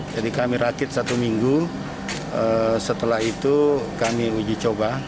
jadi kami rakit satu minggu setelah itu kami uji coba